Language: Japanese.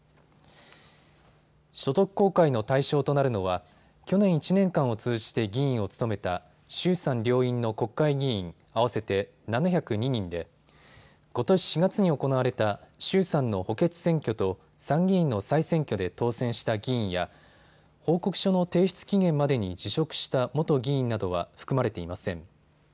所得公開の対象となるのは去年１年間を通じて議員を務めた衆参両院の国会議員合わせて７０２人でことし４月に行われた衆参の補欠選挙と参議院の再選挙で当選した議員や報告書の提出期限までに辞職した元議員などは含まれていません。